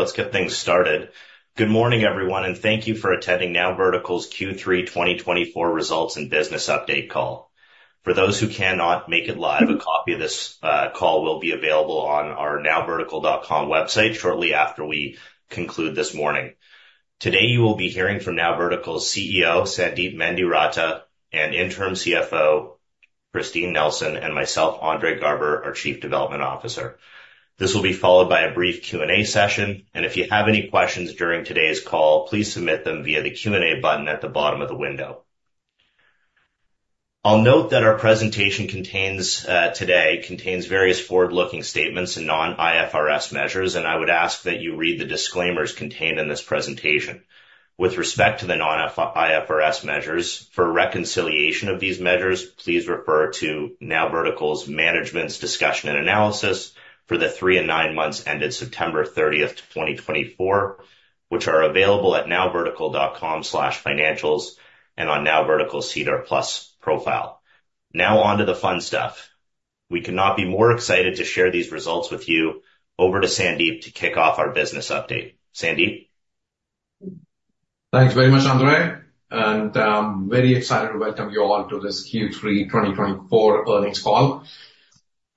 Let's get things started. Good morning, everyone, and thank you for attending NowVertical's Q3 2024 results and business update call. For those who cannot make it live, a copy of this call will be available on our nowvertical.com website shortly after we conclude this morning. Today, you will be hearing from NowVertical's CEO, Sandeep Mendiratta, and Interim CFO, Christine Nelson, and myself, Andre Garber, our Chief Development Officer. This will be followed by a brief Q&A session, and if you have any questions during today's call, please submit them via the Q&A button at the bottom of the window. I'll note that our presentation today contains various forward-looking statements and non-IFRS measures, and I would ask that you read the disclaimers contained in this presentation. With respect to the non-IFRS measures, for reconciliation of these measures, please refer to NowVertical's Management’s Discussion and Analysis for the three and nine months ended September 30, 2024, which are available at nowvertical.com/financials and on NowVertical's SEDAR+ profile. Now, on to the fun stuff. We could not be more excited to share these results with you. Over to Sandeep to kick off our business update. Sandeep? Thanks very much, Andre. I'm very excited to welcome you all to this Q3 2024 earnings call.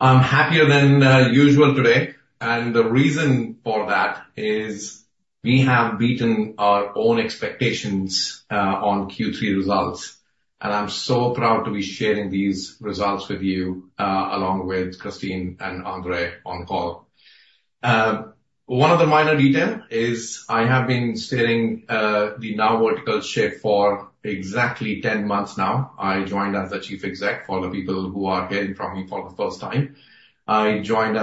I'm happier than usual today, and the reason for that is we have beaten our own expectations on Q3 results, and I'm so proud to be sharing these results with you along with Christine and Andre on the call. One other minor detail is I have been steering the NowVertical ship for exactly 10 months now. I joined as the Chief Exec for the people who are hearing from me for the first time. I sold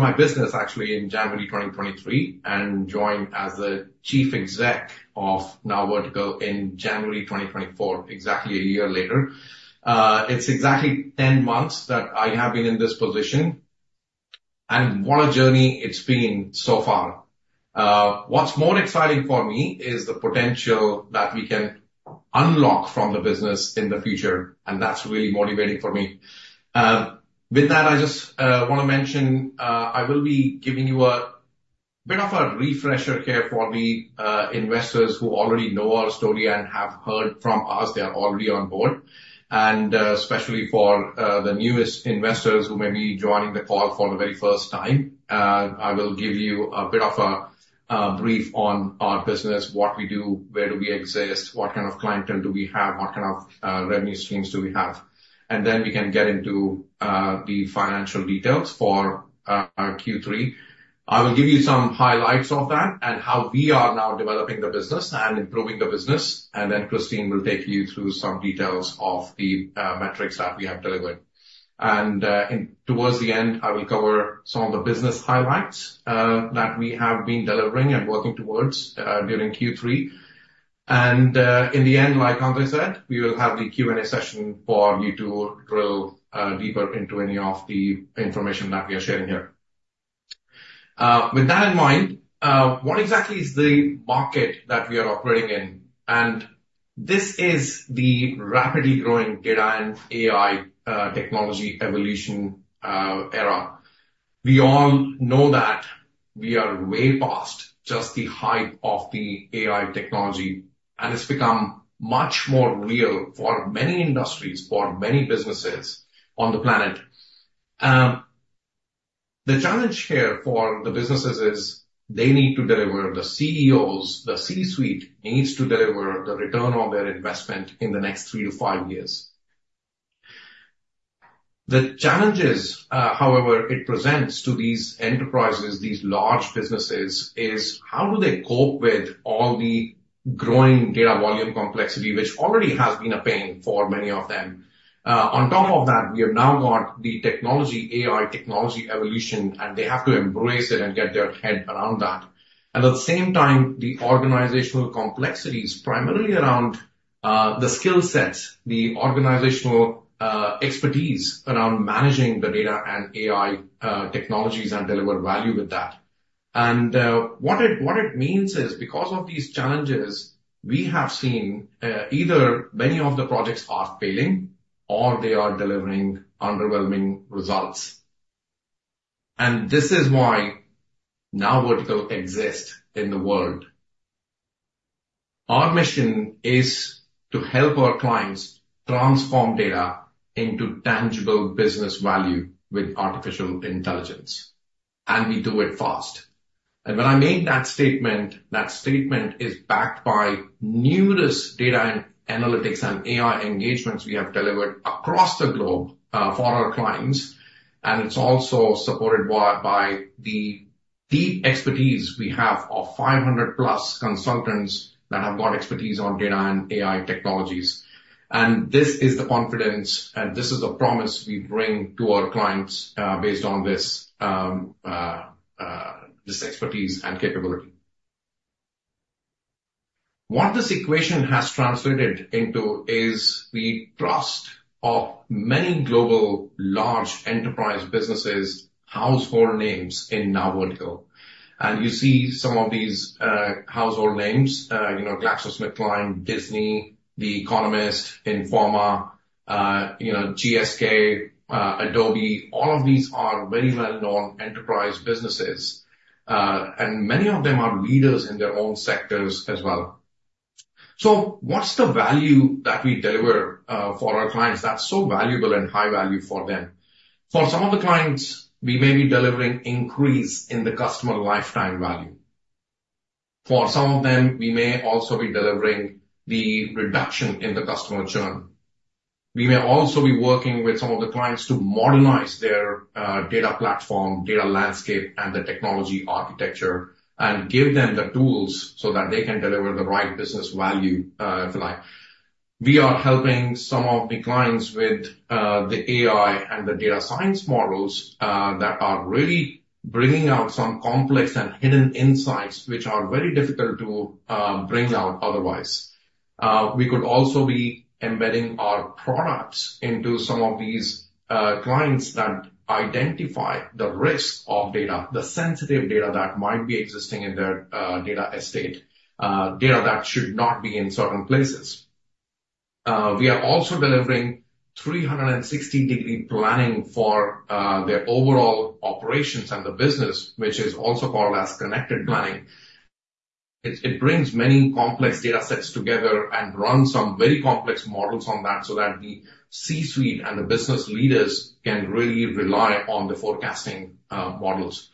my business actually in January 2023 and joined as the Chief Exec of NowVertical in January 2024, exactly a year later. It's exactly 10 months that I have been in this position, and what a journey it's been so far. What's more exciting for me is the potential that we can unlock from the business in the future, and that's really motivating for me. With that, I just want to mention I will be giving you a bit of a refresher here for the investors who already know our story and have heard from us. They are already on board, and especially for the newest investors who may be joining the call for the very first time, I will give you a bit of a brief on our business: what we do, where do we exist, what kind of clientele do we have, what kind of revenue streams do we have, and then we can get into the financial details for Q3. I will give you some highlights of that and how we are now developing the business and improving the business, and then Christine will take you through some details of the metrics that we have delivered. Towards the end, I will cover some of the business highlights that we have been delivering and working towards during Q3. In the end, like Andre said, we will have the Q&A session for you to drill deeper into any of the information that we are sharing here. With that in mind, what exactly is the market that we are operating in? This is the rapidly growing data and AI technology evolution era. We all know that we are way past just the hype of the AI technology, and it's become much more real for many industries, for many businesses on the planet. The challenge here for the businesses is they need to deliver. The CEOs, the C-suite needs to deliver the return on their investment in the next three to five years. The challenges, however, it presents to these enterprises, these large businesses, is how do they cope with all the growing data volume complexity, which already has been a pain for many of them. On top of that, we have now got the technology, AI technology evolution, and they have to embrace it and get their head around that. And at the same time, the organizational complexity is primarily around the skill sets, the organizational expertise around managing the data and AI technologies and deliver value with that. And what it means is because of these challenges, we have seen either many of the projects are failing or they are delivering underwhelming results. This is why NowVertical exists in the world. Our mission is to help our clients transform data into tangible business value with artificial intelligence, and we do it fast. When I make that statement, that statement is backed by numerous data and analytics and AI engagements we have delivered across the globe for our clients. It's also supported by the deep expertise we have of 500+ consultants that have got expertise on data and AI technologies. This is the confidence, and this is the promise we bring to our clients based on this expertise and capability. What this equation has translated into is the trust of many global large enterprise businesses, household names in NowVertical. You see some of these household names: GlaxoSmithKline, Disney, The Economist, Informa, GSK, Adobe. All of these are very well-known enterprise businesses, and many of them are leaders in their own sectors as well. So what's the value that we deliver for our clients that's so valuable and high value for them? For some of the clients, we may be delivering increase in the customer lifetime value. For some of them, we may also be delivering the reduction in the customer churn. We may also be working with some of the clients to modernize their data platform, data landscape, and the technology architecture and give them the tools so that they can deliver the right business value. We are helping some of the clients with the AI and the data science models that are really bringing out some complex and hidden insights which are very difficult to bring out otherwise. We could also be embedding our products into some of these clients that identify the risk of data, the sensitive data that might be existing in their data estate, data that should not be in certain places. We are also delivering 360-degree planning for their overall operations and the business, which is also called as connected planning. It brings many complex data sets together and runs some very complex models on that so that the C-suite and the business leaders can really rely on the forecasting models.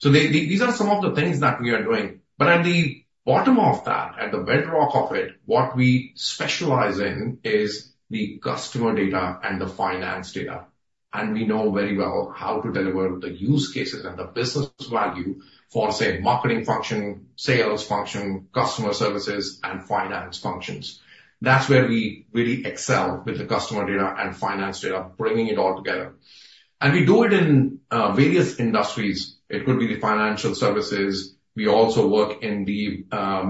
So these are some of the things that we are doing. But at the bottom of that, at the bedrock of it, what we specialize in is the customer data and the finance data. And we know very well how to deliver the use cases and the business value for, say, marketing function, sales function, customer services, and finance functions. That's where we really excel with the customer data and finance data, bringing it all together, and we do it in various industries. It could be the financial services. We also work in the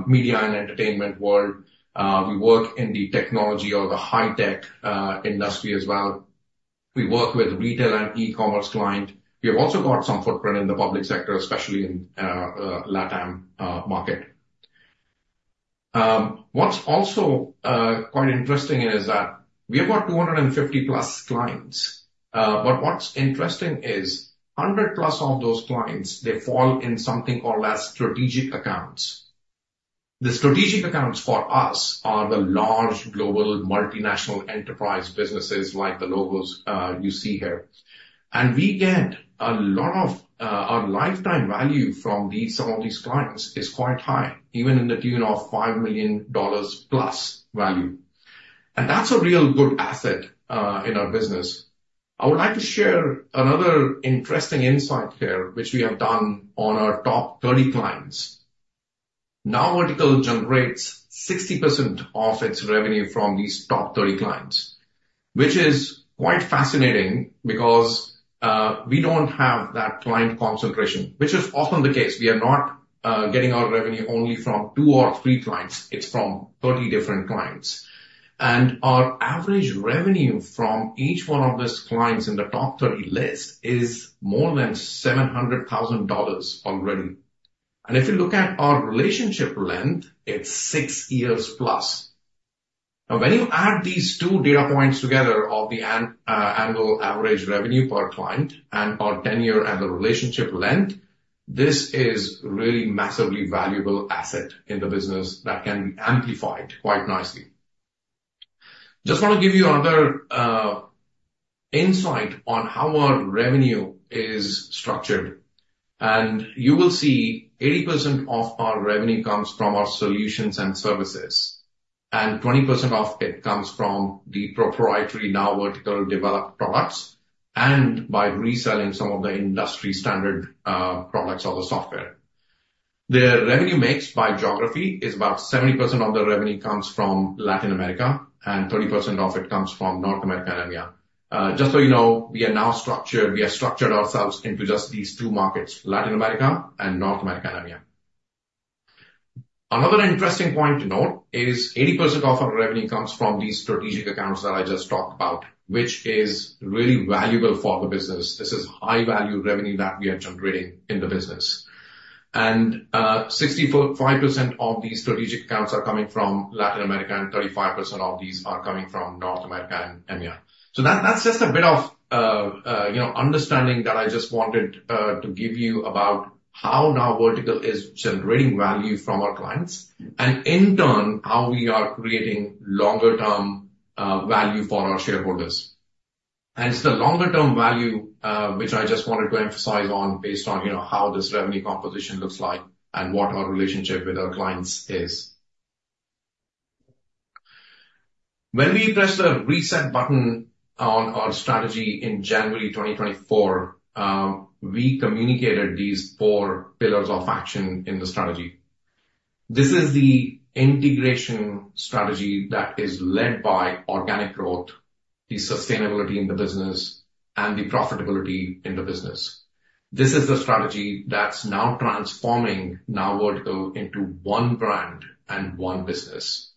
media and entertainment world. We work in the technology or the high-tech industry as well. We work with retail and e-commerce clients. We have also got some footprint in the public sector, especially in the LATAM market. What's also quite interesting is that we have got 250+ clients. But what's interesting is 100+ of those clients, they fall in something called as strategic accounts. The strategic accounts for us are the large global multinational enterprise businesses like the logos you see here, and we get a lot of our lifetime value from some of these clients is quite high, even in the tune of $5 million+ value. And that's a real good asset in our business. I would like to share another interesting insight here, which we have done on our top 30 clients. NowVertical generates 60% of its revenue from these top 30 clients, which is quite fascinating because we don't have that client concentration, which is often the case. We are not getting our revenue only from two or three clients. It's from 30 different clients. And our average revenue from each one of these clients in the top 30 list is more than $700,000 already. And if you look at our relationship length, it's 60+ years. Now, when you add these two data points together of the annual average revenue per client and our tenure and the relationship length, this is a really massively valuable asset in the business that can be amplified quite nicely. Just want to give you another insight on how our revenue is structured. And you will see 80% of our revenue comes from our solutions and services, and 20% of it comes from the proprietary NowVertical developed products and by reselling some of the industry-standard products or the software. The revenue mix by geography is about 70% of the revenue comes from Latin America, and 30% of it comes from North America and EMEA. Just so you know, we are now structured. We have structured ourselves into just these two markets: Latin America and North America and EMEA. Another interesting point to note is 80% of our revenue comes from these strategic accounts that I just talked about, which is really valuable for the business. This is high-value revenue that we are generating in the business. And 65% of these strategic accounts are coming from Latin America, and 35% of these are coming from North America and EMEA. So that's just a bit of understanding that I just wanted to give you about how NowVertical is generating value from our clients and, in turn, how we are creating longer-term value for our shareholders. And it's the longer-term value, which I just wanted to emphasize on based on how this revenue composition looks like and what our relationship with our clients is. When we pressed the reset button on our strategy in January 2024, we communicated these four pillars of action in the strategy. This is the integration strategy that is led by organic growth, the sustainability in the business, and the profitability in the business. This is the strategy that's now transforming NowVertical into one brand and one business.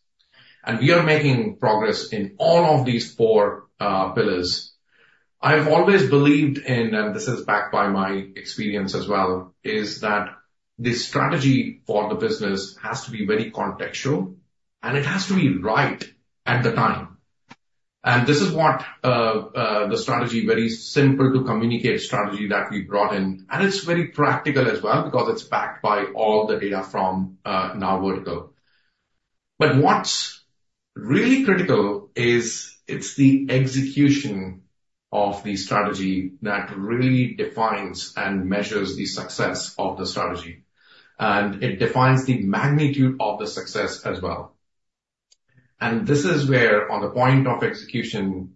And we are making progress in all of these four pillars. I've always believed in, and this is backed by my experience as well, is that the strategy for the business has to be very contextual, and it has to be right at the time. And this is what the strategy very simple to communicate strategy that we brought in. And it's very practical as well because it's backed by all the data from NowVertical. But what's really critical is it's the execution of the strategy that really defines and measures the success of the strategy. And it defines the magnitude of the success as well. And this is where, on the point of execution,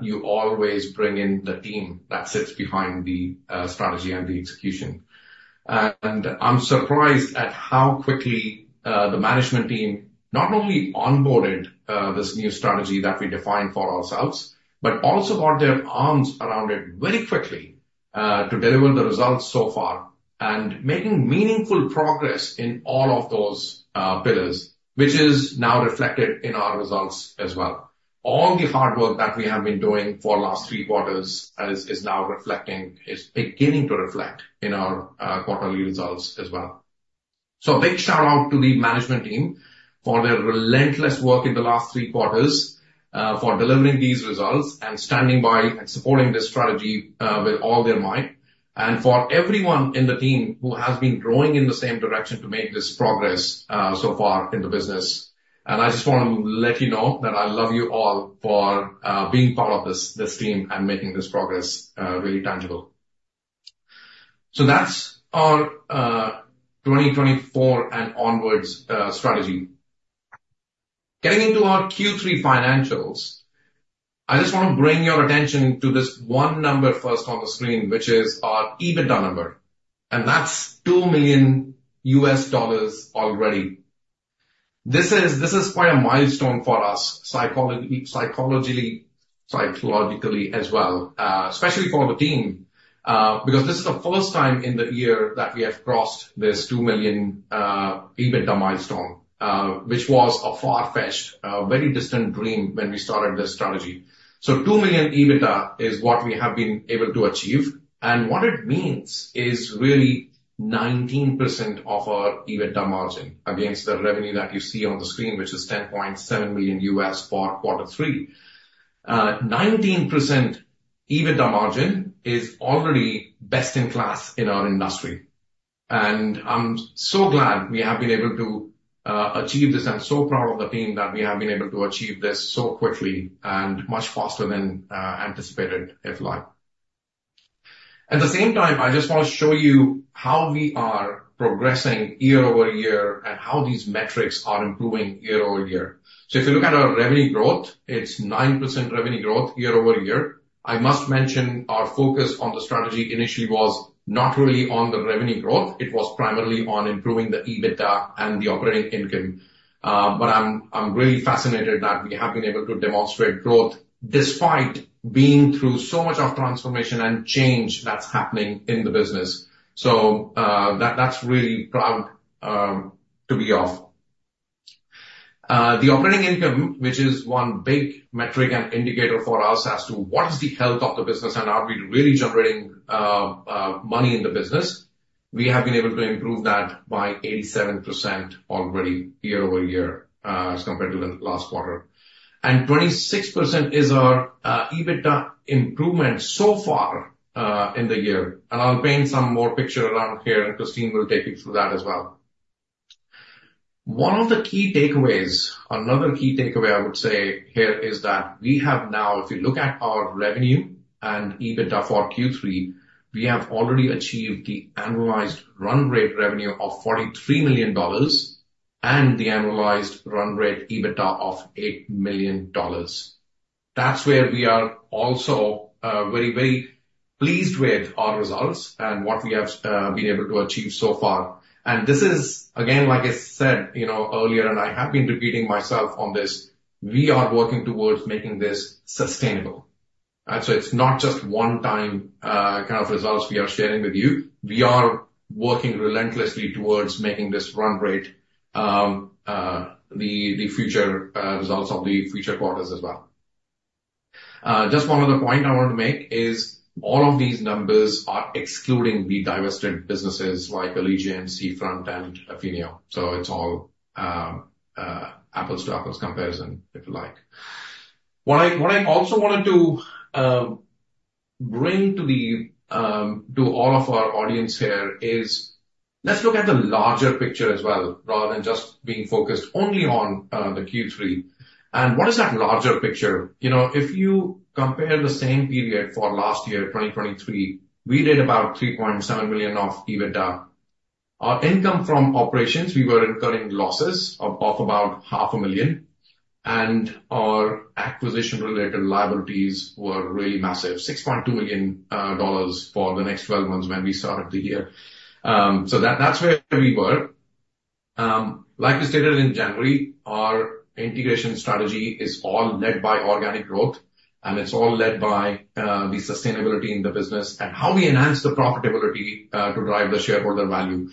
you always bring in the team that sits behind the strategy and the execution. And I'm surprised at how quickly the management team not only onboarded this new strategy that we defined for ourselves, but also got their arms around it very quickly to deliver the results so far and making meaningful progress in all of those pillars, which is now reflected in our results as well. All the hard work that we have been doing for the last three quarters is now reflecting. It's beginning to reflect in our quarterly results as well. So a big shout-out to the management team for their relentless work in the last three quarters for delivering these results and standing by and supporting this strategy with all their might, and for everyone in the team who has been growing in the same direction to make this progress so far in the business. I just want to let you know that I love you all for being part of this team and making this progress really tangible. So that's our 2024 and onwards strategy. Getting into our Q3 financials, I just want to bring your attention to this one number first on the screen, which is our EBITDA number. And that's $2 million already. This is quite a milestone for us psychologically as well, especially for the team, because this is the first time in the year that we have crossed this $2 million EBITDA milestone, which was a far-fetched, very distant dream when we started this strategy. So $2 million EBITDA is what we have been able to achieve. And what it means is really 19% of our EBITDA margin against the revenue that you see on the screen, which is $10.7 million for quarter three. 19% EBITDA margin is already best in class in our industry. And I'm so glad we have been able to achieve this. I'm so proud of the team that we have been able to achieve this so quickly and much faster than anticipated if live. At the same time, I just want to show you how we are progressing year-over-year and how these metrics are improving year-over-year. So if you look at our revenue growth, it's 9% revenue growth year-over-year. I must mention our focus on the strategy initially was not really on the revenue growth. It was primarily on improving the EBITDA and the operating income. But I'm really fascinated that we have been able to demonstrate growth despite being through so much of transformation and change that's happening in the business. So that's really proud to be of. The operating income, which is one big metric and indicator for us as to what is the health of the business and are we really generating money in the business, we have been able to improve that by 87% already year-over-year as compared to the last quarter. And 26% is our EBITDA improvement so far in the year. And I'll paint some more picture around here, and Christine will take you through that as well. One of the key takeaways, another key takeaway I would say here is that we have now, if you look at our revenue and EBITDA for Q3, we have already achieved the annualized run rate revenue of $43 million and the annualized run rate EBITDA of $8 million. That's where we are also very, very pleased with our results and what we have been able to achieve so far. This is, again, like I said earlier, and I have been repeating myself on this, we are working towards making this sustainable. It's not just one-time kind of results we are sharing with you. We are working relentlessly towards making this run rate the future results of the future quarters as well. Just one other point I want to make is all of these numbers are excluding the divested businesses like Allegient, Seafront, and Affinio. It's all apples to apples comparison, if you like. What I also wanted to bring to all of our audience here is let's look at the larger picture as well, rather than just being focused only on the Q3. What is that larger picture? If you compare the same period for last year, 2023, we did about $3.7 million of EBITDA. Our income from operations. We were incurring losses of about $500,000. And our acquisition-related liabilities were really massive, $6.2 million for the next 12 months when we started the year. So that's where we were. Like we stated in January, our integration strategy is all led by organic growth, and it's all led by the sustainability in the business and how we enhance the profitability to drive the shareholder value.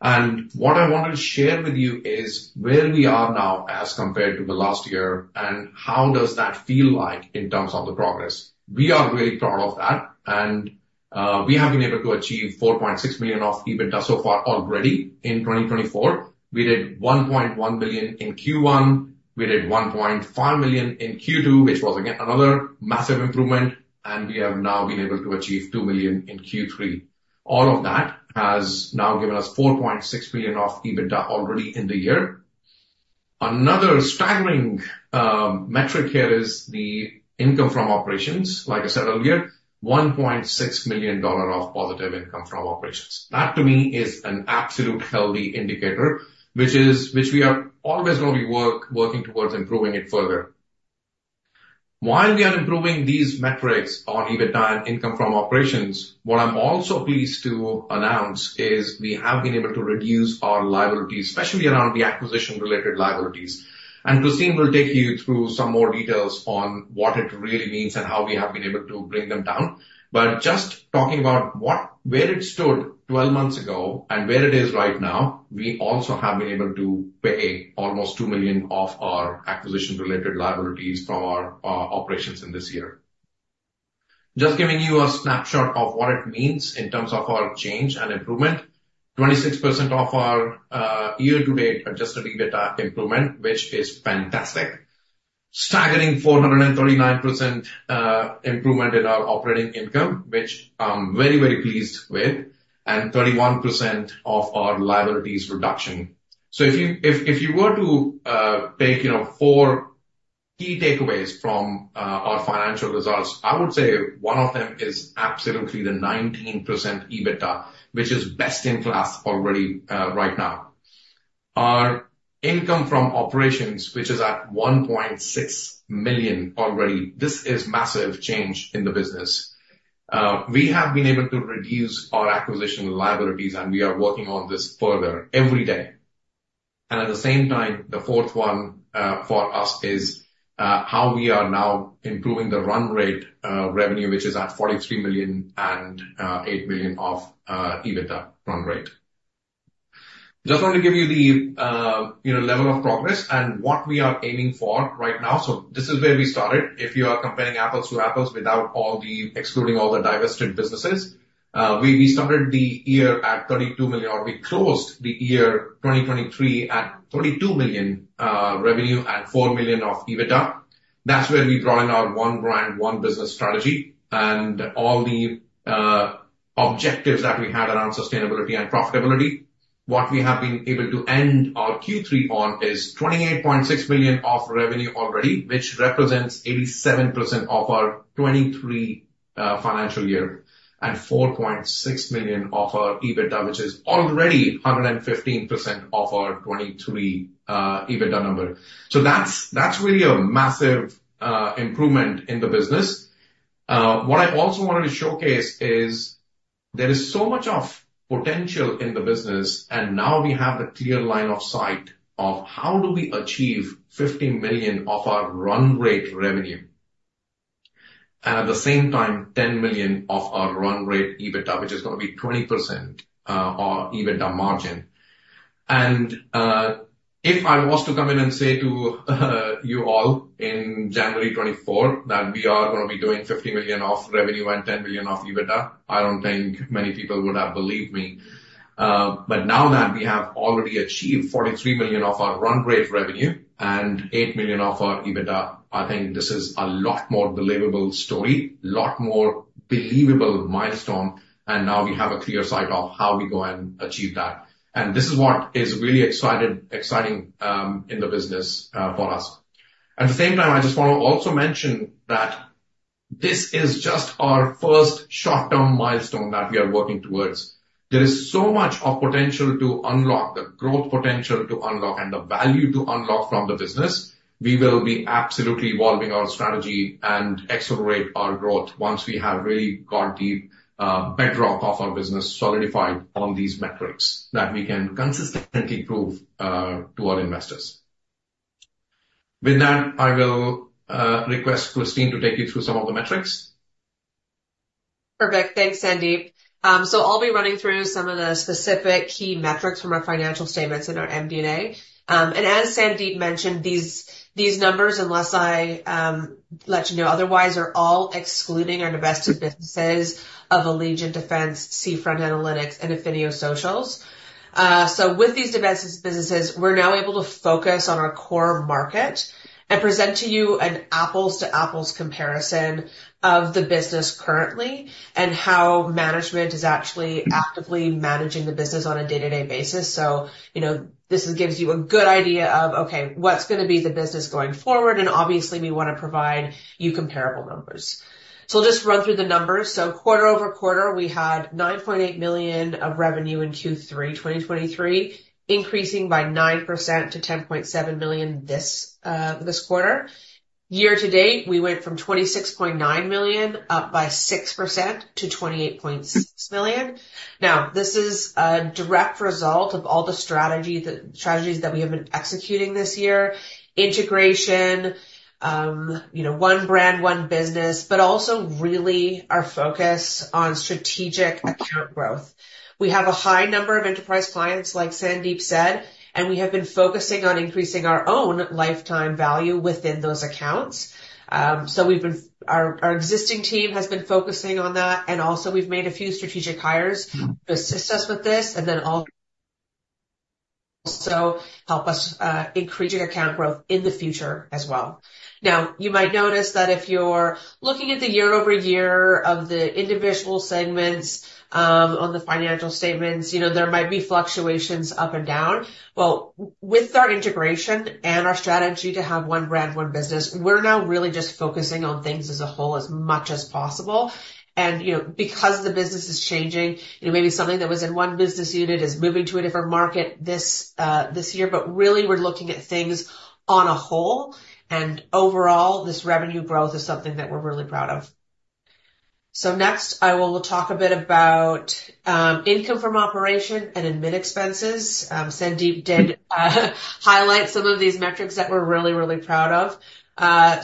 And what I wanted to share with you is where we are now as compared to the last year and how does that feel like in terms of the progress. We are really proud of that. And we have been able to achieve $4.6 million of EBITDA so far already in 2024. We did $1.1 million in Q1. We did $1.5 million in Q2, which was, again, another massive improvement. We have now been able to achieve $2 million in Q3. All of that has now given us $4.6 million of EBITDA already in the year. Another staggering metric here is the income from operations, like I said earlier, $1.6 million of positive income from operations. That, to me, is an absolute healthy indicator, which we are always going to be working towards improving it further. While we are improving these metrics on EBITDA and income from operations, what I'm also pleased to announce is we have been able to reduce our liabilities, especially around the acquisition-related liabilities. And Christine will take you through some more details on what it really means and how we have been able to bring them down. But just talking about where it stood 12 months ago and where it is right now, we also have been able to pay almost $2 million of our acquisition-related liabilities from our operations in this year. Just giving you a snapshot of what it means in terms of our change and improvement, 26% of our year-to-date Adjusted EBITDA improvement, which is fantastic. Staggering 439% improvement in our operating income, which I'm very, very pleased with, and 31% of our liabilities reduction. So if you were to take four key takeaways from our financial results, I would say one of them is absolutely the 19% EBITDA, which is best in class already right now. Our income from operations, which is at $1.6 million already, this is massive change in the business. We have been able to reduce our acquisition liabilities, and we are working on this further every day. At the same time, the fourth one for us is how we are now improving the run rate revenue, which is at $43 million and $8 million of EBITDA run rate. Just wanted to give you the level of progress and what we are aiming for right now. This is where we started. If you are comparing apples to apples without excluding all the divested businesses, we started the year at $32 million. We closed the year 2023 at $32 million revenue and $4 million of EBITDA. That's where we brought in our one brand, one business strategy and all the objectives that we had around sustainability and profitability. What we have been able to end our Q3 on is $28.6 million of revenue already, which represents 87% of our 2023 financial year and $4.6 million of our EBITDA, which is already 115% of our 2023 EBITDA number, so that's really a massive improvement in the business. What I also wanted to showcase is there is so much of potential in the business, and now we have the clear line of sight of how do we achieve $15 million of our run rate revenue and at the same time $10 million of our run rate EBITDA, which is going to be 20% of our EBITDA margin, and if I was to come in and say to you all in January 2024 that we are going to be doing $15 million of revenue and $10 million of EBITDA, I don't think many people would have believed me. But now that we have already achieved $43 million of our run rate revenue and $8 million of our EBITDA, I think this is a lot more believable story, a lot more believable milestone. And now we have a clear sight of how we go and achieve that. And this is what is really exciting in the business for us. At the same time, I just want to also mention that this is just our first short-term milestone that we are working towards. There is so much of potential to unlock, the growth potential to unlock, and the value to unlock from the business. We will be absolutely evolving our strategy and accelerate our growth once we have really got the bedrock of our business solidified on these metrics that we can consistently prove to our investors. With that, I will request Christine to take you through some of the metrics. Perfect. Thanks, Sandeep. So I'll be running through some of the specific key metrics from our financial statements and our MD&A. And as Sandeep mentioned, these numbers, unless I let you know otherwise, are all excluding our divested businesses of Allegient Defense, Seafront Analytics, and Affinio Socials. So with these divested businesses, we're now able to focus on our core market and present to you an apples-to-apples comparison of the business currently and how management is actually actively managing the business on a day-to-day basis. So this gives you a good idea of, okay, what's going to be the business going forward. And obviously, we want to provide you comparable numbers. So I'll just run through the numbers. Quarter-over-quarter, we had $9.8 million of revenue in Q3 2023, increasing by 9% to $10.7 million this quarter. Year-to-date, we went from $26.9 million up by 6% to $28.6 million. Now, this is a direct result of all the strategies that we have been executing this year, integration, one brand, one business, but also really our focus on strategic account growth. We have a high number of enterprise clients, like Sandeep said, and we have been focusing on increasing our own lifetime value within those accounts. Our existing team has been focusing on that. Also, we've made a few strategic hires to assist us with this and then also help us increase account growth in the future as well. Now, you might notice that if you're looking at the year-over-year of the individual segments on the financial statements, there might be fluctuations up and down. Well, with our integration and our strategy to have one brand, one business, we're now really just focusing on things as a whole as much as possible. And because the business is changing, maybe something that was in one business unit is moving to a different market this year. But really, we're looking at things as a whole. And overall, this revenue growth is something that we're really proud of. So next, I will talk a bit about income from operations and admin expenses. Sandeep did highlight some of these metrics that we're really, really proud of.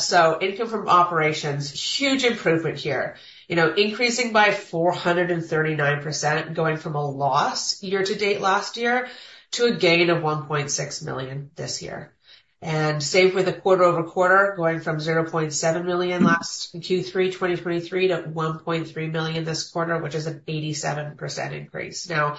So income from operations, huge improvement here, increasing by 439%, going from a loss year-to-date last year to a gain of $1.6 million this year. And same with a quarter over quarter, going from $0.7 million last Q3 2023 to $1.3 million this quarter, which is an 87% increase. Now,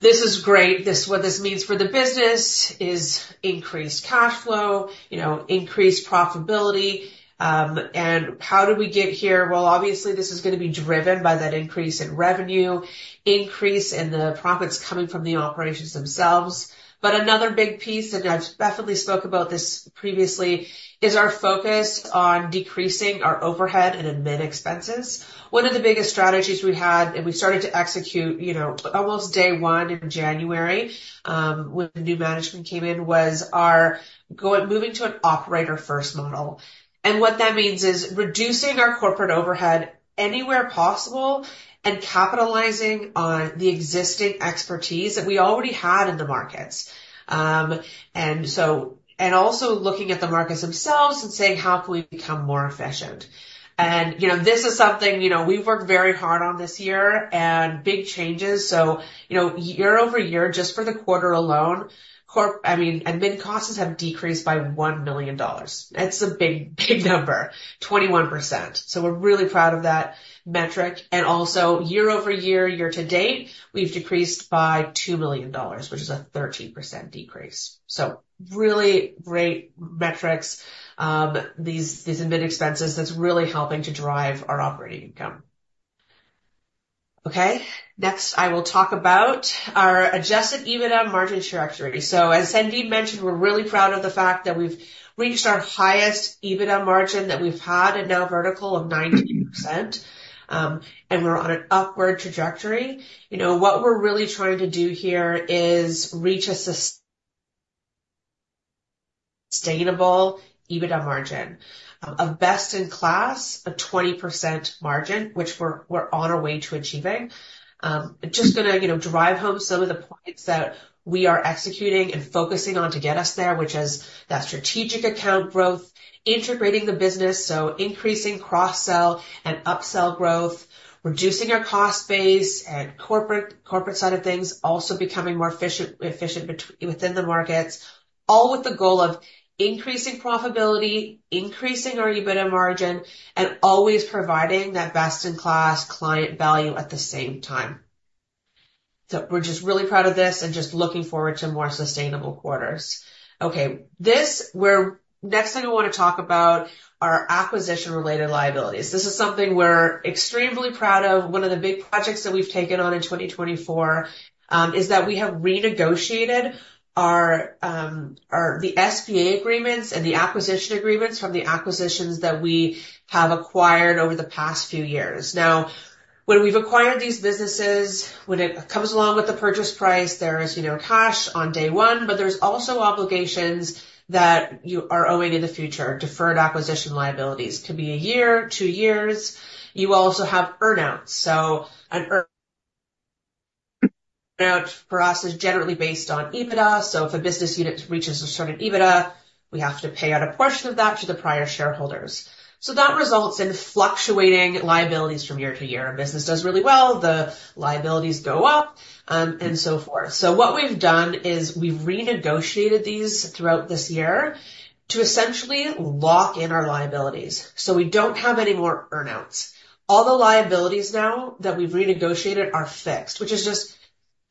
this is great. What this means for the business is increased cash flow, increased profitability. And how did we get here? Well, obviously, this is going to be driven by that increase in revenue, increase in the profits coming from the operations themselves. But another big piece, and I've definitely spoke about this previously, is our focus on decreasing our overhead and admin expenses. One of the biggest strategies we had, and we started to execute almost day one in January when new management came in, was our moving to an operator-first model. And what that means is reducing our corporate overhead anywhere possible and capitalizing on the existing expertise that we already had in the markets. And also looking at the markets themselves and saying, "How can we become more efficient?" And this is something we've worked very hard on this year and big changes. Year-over-year, just for the quarter alone, I mean, admin costs have decreased by $1 million. That's a big number, 21%. We're really proud of that metric. Also, year-over-year, year-to-date, we've decreased by $2 million, which is a 13% decrease. Really great metrics, these admin expenses that's really helping to drive our operating income. Okay. Next, I will talk about our Adjusted EBITDA margin trajectory. As Sandeep mentioned, we're really proud of the fact that we've reached our highest EBITDA margin that we've had at NowVertical of 19%. We're on an upward trajectory. What we're really trying to do here is reach a sustainable EBITDA margin, a best-in-class, a 20% margin, which we're on our way to achieving. Just going to drive home some of the points that we are executing and focusing on to get us there, which is that strategic account growth, integrating the business, so increasing cross-sell and upsell growth, reducing our cost base and corporate side of things, also becoming more efficient within the markets, all with the goal of increasing profitability, increasing our EBITDA margin, and always providing that best-in-class client value at the same time. So we're just really proud of this and just looking forward to more sustainable quarters. Okay. Next thing I want to talk about are acquisition-related liabilities. This is something we're extremely proud of. One of the big projects that we've taken on in 2024 is that we have renegotiated the SPA agreements and the acquisition agreements from the acquisitions that we have acquired over the past few years. Now, when we've acquired these businesses, when it comes along with the purchase price, there is cash on day one, but there's also obligations that you are owing in the future, deferred acquisition liabilities. It could be a year, two years. You also have earnouts. So an earnout for us is generally based on EBITDA. So if a business unit reaches a certain EBITDA, we have to pay out a portion of that to the prior shareholders. So that results in fluctuating liabilities from year to year. A business does really well, the liabilities go up, and so forth. So what we've done is we've renegotiated these throughout this year to essentially lock in our liabilities. So we don't have any more earnouts. All the liabilities now that we've renegotiated are fixed, which is just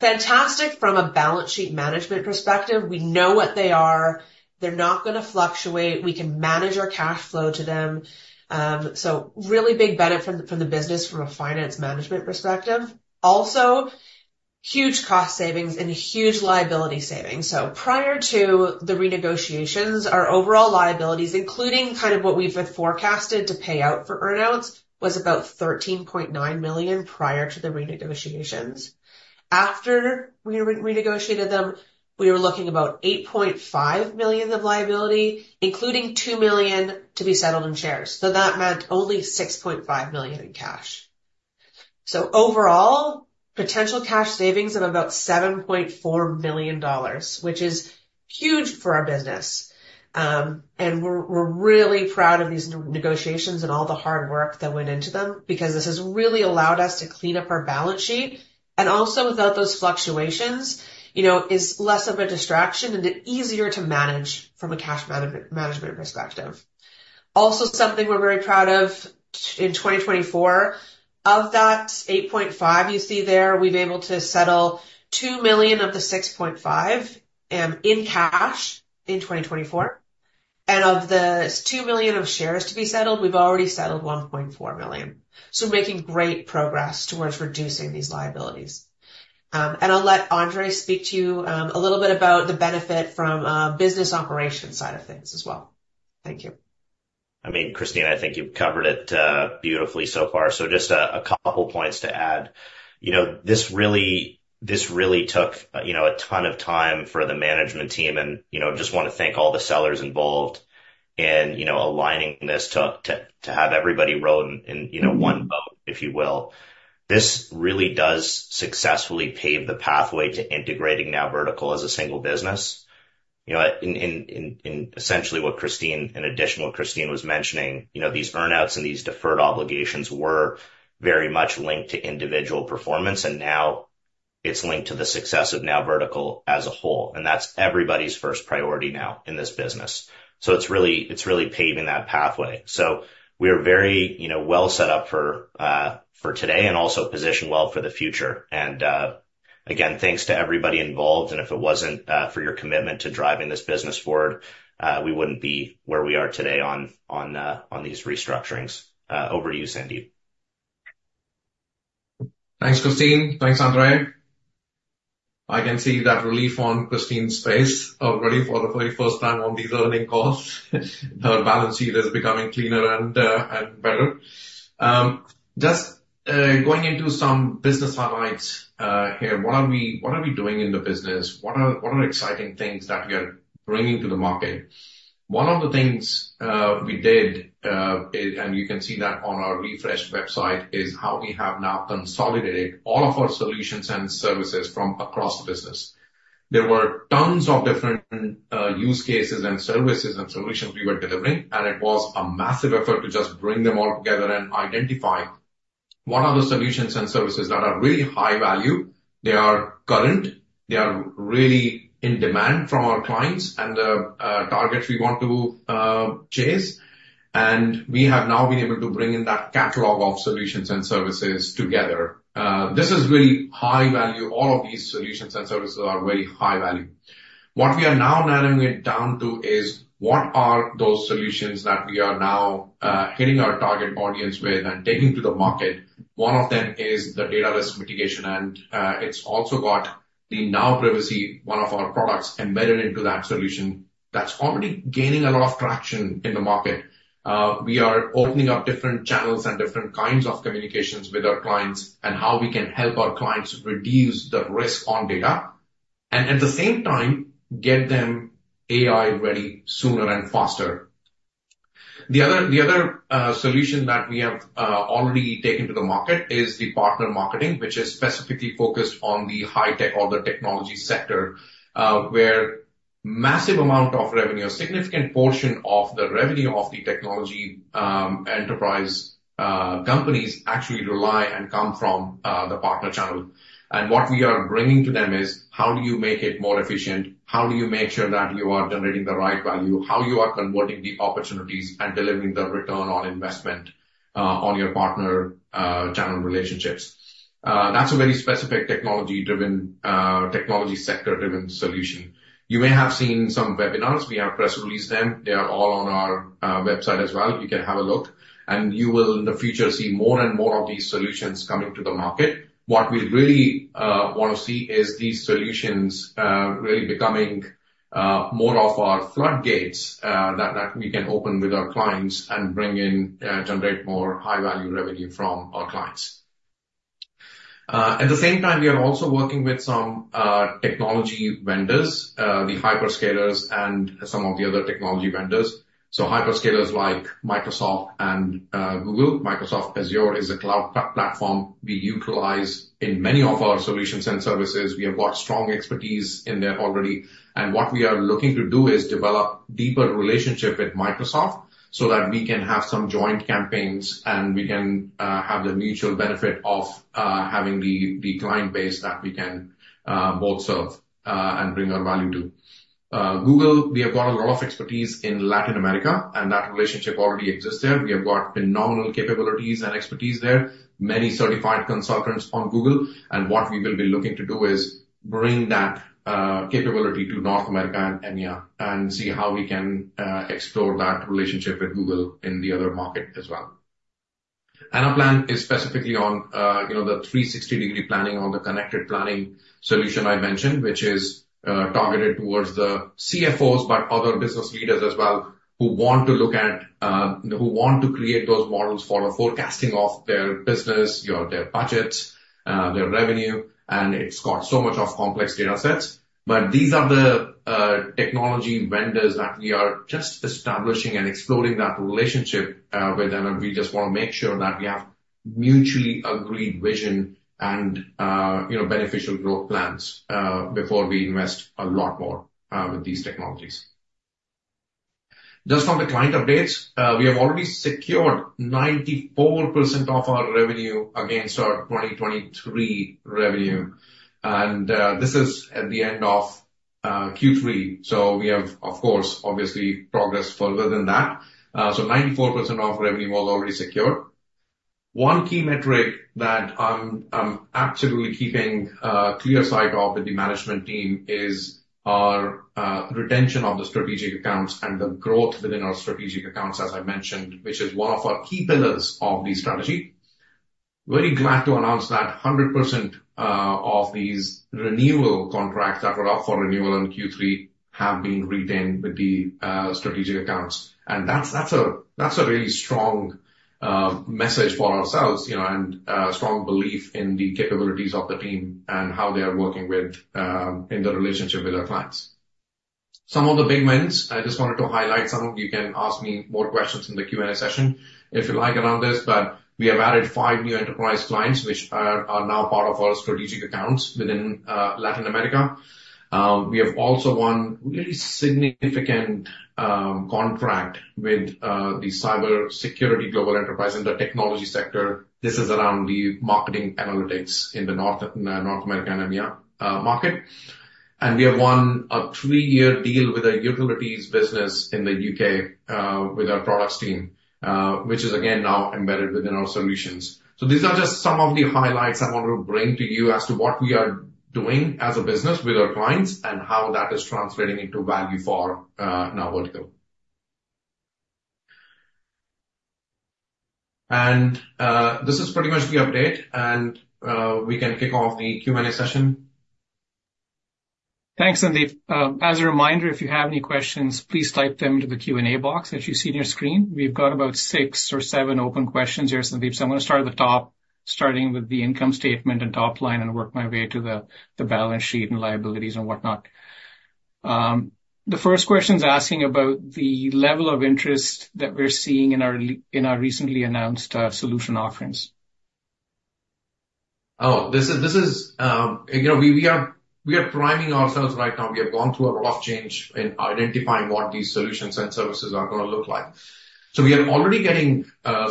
fantastic from a balance sheet management perspective. We know what they are. They're not going to fluctuate. We can manage our cash flow to them. So really big benefit from the business from a finance management perspective. Also, huge cost savings and huge liability savings. So prior to the renegotiations, our overall liabilities, including kind of what we've forecasted to pay out for earnouts, was about $13.9 million prior to the renegotiations. After we renegotiated them, we were looking at about $8.5 million of liability, including $2 million to be settled in shares. So that meant only $6.5 million in cash. So overall, potential cash savings of about $7.4 million, which is huge for our business. And we're really proud of these negotiations and all the hard work that went into them because this has really allowed us to clean up our balance sheet. And also, without those fluctuations, it's less of a distraction and easier to manage from a cash management perspective. Also, something we're very proud of in 2024, of that $8.5 million you see there, we've been able to settle $2 million of the $6.5 million in cash in 2024. And of the $2 million of shares to be settled, we've already settled $1.4 million. So we're making great progress towards reducing these liabilities. And I'll let Andre speak to you a little bit about the benefit from a business operation side of things as well. Thank you. I mean, Christine, I think you've covered it beautifully so far. So just a couple of points to add. This really took a ton of time for the management team. And I just want to thank all the sellers involved in aligning this to have everybody row in one boat, if you will. This really does successfully pave the pathway to integrating NowVertical as a single business, and essentially, in addition to what Christine was mentioning, these earnouts and these deferred obligations were very much linked to individual performance, and now it's linked to the success of NowVertical as a whole, and that's everybody's first priority now in this business, so it's really paving that pathway, so we are very well set up for today and also positioned well for the future, and again, thanks to everybody involved, and if it wasn't for your commitment to driving this business forward, we wouldn't be where we are today on these restructurings. Over to you, Sandeep. Thanks, Christine. Thanks, Andre. I can see that relief on Christine's face already for the very first time on these earnings calls. Her balance sheet is becoming cleaner and better. Just going into some business highlights here, what are we doing in the business? What are exciting things that we are bringing to the market? One of the things we did, and you can see that on our refreshed website, is how we have now consolidated all of our solutions and services from across the business. There were tons of different use cases and services and solutions we were delivering. And it was a massive effort to just bring them all together and identify what are the solutions and services that are really high value. They are current. They are really in demand from our clients and the targets we want to chase. And we have now been able to bring in that catalog of solutions and services together. This is really high value. All of these solutions and services are very high value. What we are now narrowing it down to is what are those solutions that we are now hitting our target audience with and taking to the market. One of them is the Data Risk Mitigation. And it's also got the NOW Privacy, one of our products embedded into that solution that's already gaining a lot of traction in the market. We are opening up different channels and different kinds of communications with our clients and how we can help our clients reduce the risk on data and at the same time, get them AI-ready sooner and faster. The other solution that we have already taken to the market is the Partner Marketing, which is specifically focused on the high-tech or the technology sector, where a massive amount of revenue, a significant portion of the revenue of the technology enterprise companies actually rely and come from the partner channel. What we are bringing to them is how do you make it more efficient? How do you make sure that you are generating the right value? How you are converting the opportunities and delivering the return on investment on your partner channel relationships? That's a very specific technology-driven, technology sector-driven solution. You may have seen some webinars. We have press released them. They are all on our website as well. You can have a look. And you will, in the future, see more and more of these solutions coming to the market. What we really want to see is these solutions really becoming more of our floodgates that we can open with our clients and bring in, generate more high-value revenue from our clients. At the same time, we are also working with some technology vendors, the hyperscalers and some of the other technology vendors. Hyperscalers like Microsoft and Google. Microsoft Azure is a cloud platform we utilize in many of our solutions and services. We have got strong expertise in there already. And what we are looking to do is develop a deeper relationship with Microsoft so that we can have some joint campaigns and we can have the mutual benefit of having the client base that we can both serve and bring our value to. Google, we have got a lot of expertise in Latin America, and that relationship already exists there. We have got phenomenal capabilities and expertise there, many certified consultants on Google. And what we will be looking to do is bring that capability to North America and EMEA and see how we can explore that relationship with Google in the other market as well. Our plan is specifically on the 360-degree planning, on the connected planning solution I mentioned, which is targeted towards the CFOs, but other business leaders as well who want to look at, who want to create those models for forecasting of their business, their budgets, their revenue. It's got so much of complex data sets. These are the technology vendors that we are just establishing and exploring that relationship with them. We just want to make sure that we have mutually agreed vision and beneficial growth plans before we invest a lot more with these technologies. Just on the client updates, we have already secured 94% of our revenue against our 2023 revenue. This is at the end of Q3. We have, of course, obviously progress further than that. 94% of revenue was already secured. One key metric that I'm absolutely keeping a clear sight of with the management team is our retention of the strategic accounts and the growth within our strategic accounts, as I mentioned, which is one of our key pillars of the strategy. Very glad to announce that 100% of these renewal contracts that were up for renewal in Q3 have been retained with the strategic accounts, and that's a really strong message for ourselves and a strong belief in the capabilities of the team and how they are working with in the relationship with our clients. Some of the big wins, I just wanted to highlight some. You can ask me more questions in the Q&A session if you like around this, but we have added five new enterprise clients, which are now part of our strategic accounts within Latin America. We have also won a really significant contract with the cyber security global enterprise in the technology sector. This is around the marketing analytics in the North America and EMEA market. We have won a three-year deal with a utilities business in the U.K. with our products team, which is again now embedded within our solutions. These are just some of the highlights I want to bring to you as to what we are doing as a business with our clients and how that is translating into value for NowVertical. This is pretty much the update. We can kick off the Q&A session. Thanks, Sandeep. As a reminder, if you have any questions, please type them into the Q&A box that you see on your screen. We've got about six or seven open questions here, Sandeep. So I'm going to start at the top, starting with the income statement and top line and work my way to the balance sheet and liabilities and whatnot. The first question is asking about the level of interest that we're seeing in our recently announced solution offerings. Oh, this is we are priming ourselves right now. We have gone through a lot of change in identifying what these solutions and services are going to look like. So we are already getting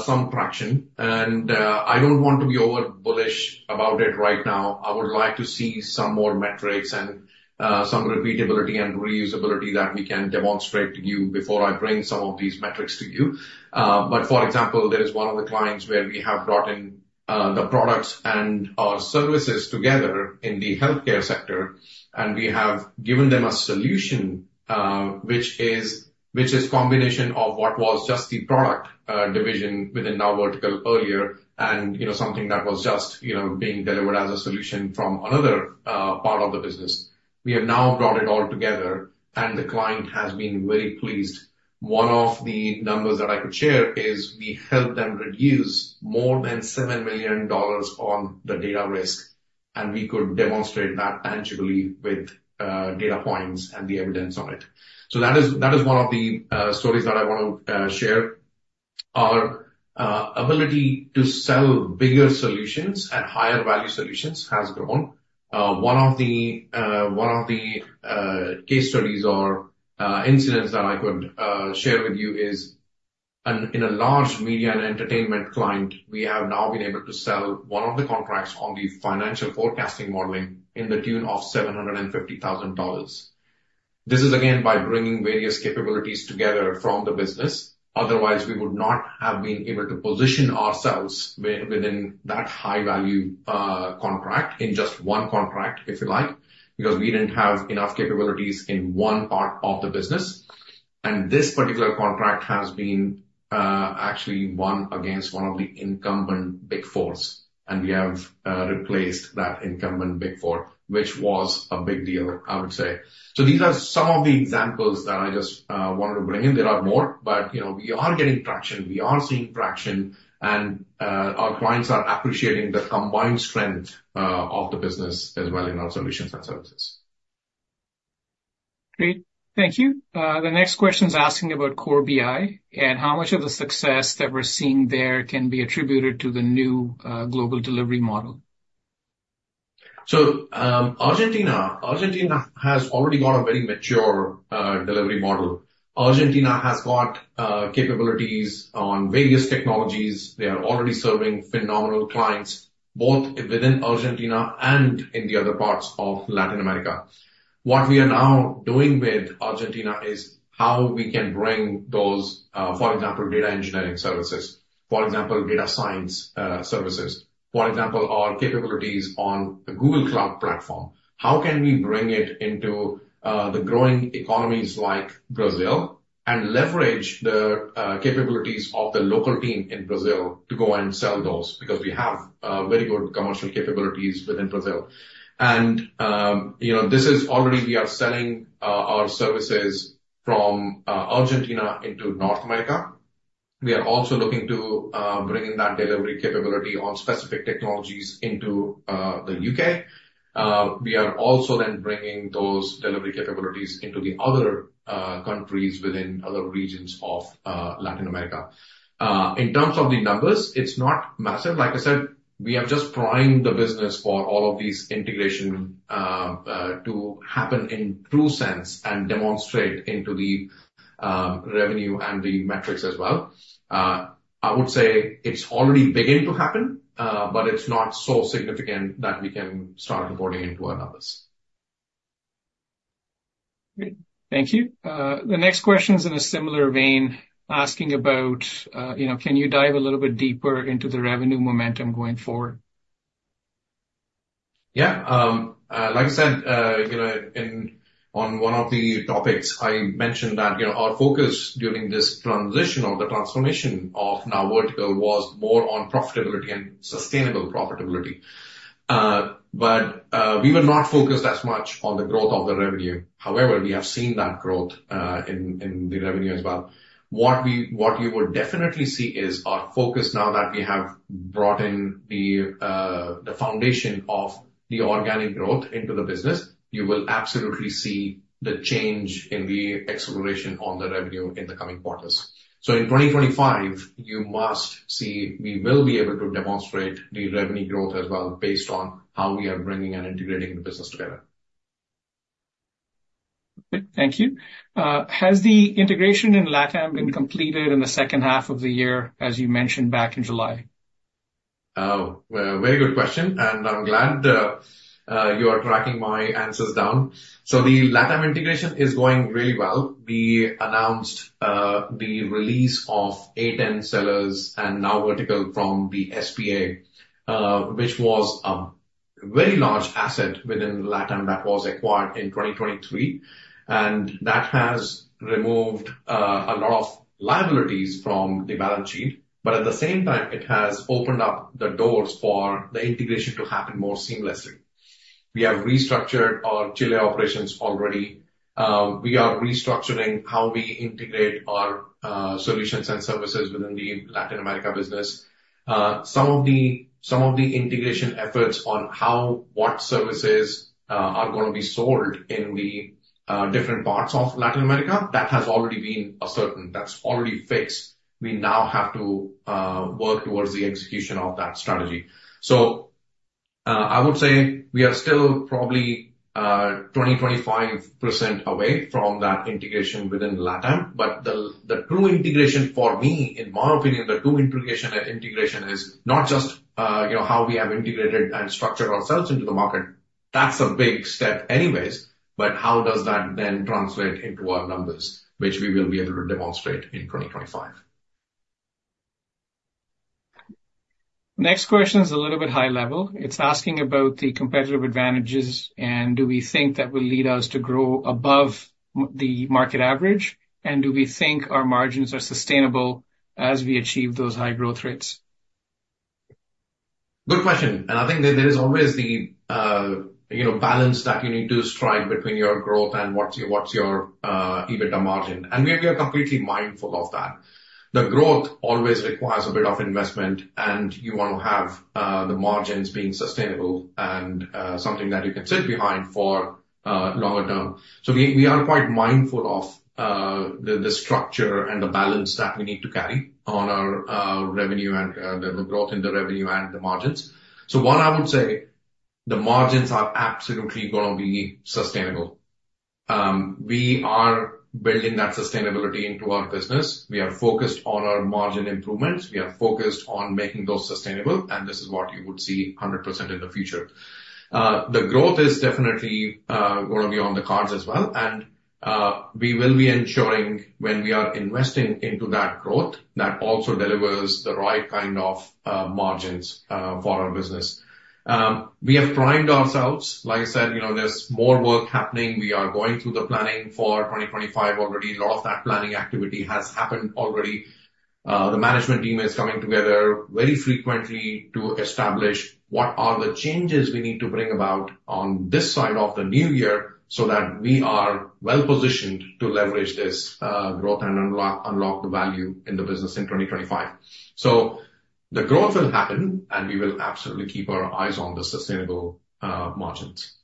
some traction. And I don't want to be over-bullish about it right now. I would like to see some more metrics and some repeatability and reusability that we can demonstrate to you before I bring some of these metrics to you. But for example, there is one of the clients where we have brought in the products and our services together in the healthcare sector. And we have given them a solution, which is a combination of what was just the product division within NowVertical earlier and something that was just being delivered as a solution from another part of the business. We have now brought it all together, and the client has been very pleased. One of the numbers that I could share is we helped them reduce more than $7 million on the data risk. And we could demonstrate that tangibly with data points and the evidence on it. So that is one of the stories that I want to share. Our ability to sell bigger solutions and higher value solutions has grown. One of the case studies or incidents that I could share with you is with a large media and entertainment client. We have now been able to sell one of the contracts on the financial forecasting modeling to the tune of $750,000. This is again by bringing various capabilities together from the business. Otherwise, we would not have been able to position ourselves within that high-value contract in just one contract, if you like, because we didn't have enough capabilities in one part of the business. This particular contract has been actually won against one of the incumbent Big Fours. We have replaced that incumbent Big Four, which was a big deal, I would say. These are some of the examples that I just wanted to bring in. There are more, but we are getting traction. We are seeing traction. Our clients are appreciating the combined strength of the business as well in our solutions and services. Great. Thank you. The next question is asking about CoreBI and how much of the success that we're seeing there can be attributed to the new global delivery model. Argentina has already got a very mature delivery model. Argentina has got capabilities on various technologies. They are already serving phenomenal clients, both within Argentina and in the other parts of Latin America. What we are now doing with Argentina is how we can bring those, for example, data engineering services, for example, data science services, for example, our capabilities on the Google Cloud Platform. How can we bring it into the growing economies like Brazil and leverage the capabilities of the local team in Brazil to go and sell those? Because we have very good commercial capabilities within Brazil. And this is already, we are selling our services from Argentina into North America. We are also looking to bring in that delivery capability on specific technologies into the U.K. We are also then bringing those delivery capabilities into the other countries within other regions of Latin America. In terms of the numbers, it's not massive. Like I said, we have just primed the business for all of these integrations to happen in true sense and demonstrate into the revenue and the metrics as well. I would say it's already beginning to happen, but it's not so significant that we can start reporting into our numbers. Great. Thank you. The next question is in a similar vein, asking about, can you dive a little bit deeper into the revenue momentum going forward? Yeah. Like I said, on one of the topics, I mentioned that our focus during this transition of the transformation of NowVertical was more on profitability and sustainable profitability. But we were not focused as much on the growth of the revenue. However, we have seen that growth in the revenue as well. What you would definitely see is our focus now that we have brought in the foundation of the organic growth into the business. You will absolutely see the change in the exploration on the revenue in the coming quarters. So in 2025, you must see we will be able to demonstrate the revenue growth as well based on how we are bringing and integrating the business together. Thank you. Has the integration in LATAM been completed in the second half of the year, as you mentioned back in July? Oh, very good question. I'm glad you are tracking my answers down. So the LATAM integration is going really well. We announced the release of A10 sellers and NowVertical from the SPA, which was a very large asset within LATAM that was acquired in 2023. That has removed a lot of liabilities from the balance sheet. But at the same time, it has opened up the doors for the integration to happen more seamlessly. We have restructured our Chile operations already. We are restructuring how we integrate our solutions and services within the Latin America business. Some of the integration efforts on how what services are going to be sold in the different parts of Latin America, that has already been certain. That's already fixed. We now have to work towards the execution of that strategy. I would say we are still probably 20%-25% away from that integration within LATAM. But the true integration for me, in my opinion, the true integration is not just how we have integrated and structured ourselves into the market. That's a big step anyways. But how does that then translate into our numbers, which we will be able to demonstrate in 2025? Next question is a little bit high level. It's asking about the competitive advantages and do we think that will lead us to grow above the market average? And do we think our margins are sustainable as we achieve those high growth rates? Good question. And I think there is always the balance that you need to strike between your growth and what's your EBITDA margin. And we are completely mindful of that. The growth always requires a bit of investment, and you want to have the margins being sustainable and something that you can sit behind for longer term. So we are quite mindful of the structure and the balance that we need to carry on our revenue and the growth in the revenue and the margins. So what I would say, the margins are absolutely going to be sustainable. We are building that sustainability into our business. We are focused on our margin improvements. We are focused on making those sustainable. And this is what you would see 100% in the future. The growth is definitely going to be on the cards as well. And we will be ensuring when we are investing into that growth that also delivers the right kind of margins for our business. We have primed ourselves. Like I said, there's more work happening. We are going through the planning for 2025 already. A lot of that planning activity has happened already. The management team is coming together very frequently to establish what are the changes we need to bring about on this side of the new year so that we are well positioned to leverage this growth and unlock the value in the business in 2025, so the growth will happen, and we will absolutely keep our eyes on the sustainable margins.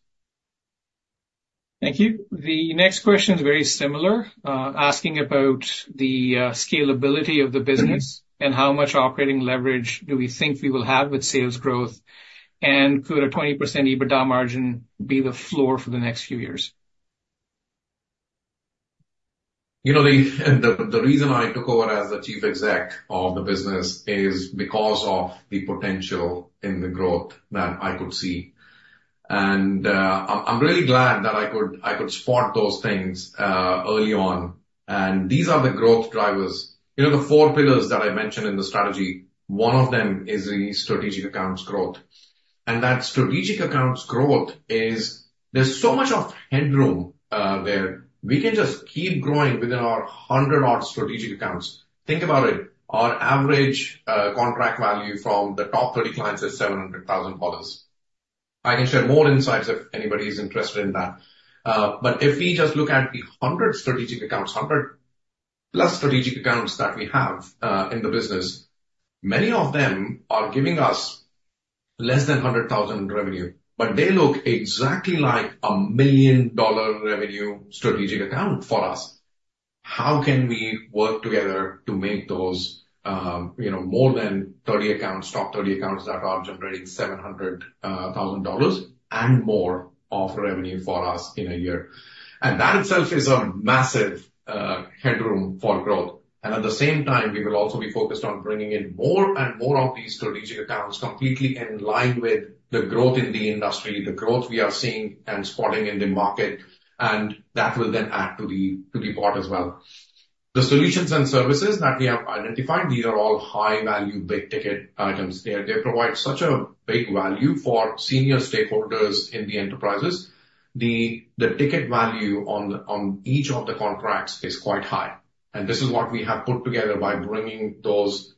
Thank you. The next question is very similar, asking about the scalability of the business and how much operating leverage do we think we will have with sales growth, and could a 20% EBITDA margin be the floor for the next few years? The reason I took over as the Chief Exec of the business is because of the potential in the growth that I could see. I'm really glad that I could spot those things early on. These are the growth drivers. The four pillars that I mentioned in the strategy, one of them is the strategic accounts growth. That strategic accounts growth is, there's so much of headroom there. We can just keep growing within our 100-odd strategic accounts. Think about it. Our average contract value from the top 30 clients is $700,000. I can share more insights if anybody is interested in that. If we just look at the 100 strategic accounts, 100+ strategic accounts that we have in the business, many of them are giving us less than $100,000 in revenue, but they look exactly like a million-dollar revenue strategic account for us. How can we work together to make those more than 30 accounts, top 30 accounts that are generating $700,000 and more of revenue for us in a year? And that itself is a massive headroom for growth. And at the same time, we will also be focused on bringing in more and more of these strategic accounts completely in line with the growth in the industry, the growth we are seeing and spotting in the market. And that will then add to the part as well. The solutions and services that we have identified, these are all high-value big ticket items. They provide such a big value for senior stakeholders in the enterprises. The ticket value on each of the contracts is quite high. And this is what we have put together by bringing those